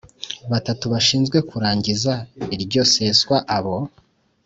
batatu bashinzwe kurangiza iryo seswa Abo